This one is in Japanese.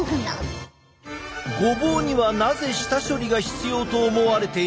ごぼうにはなぜ下処理が必要と思われているのか？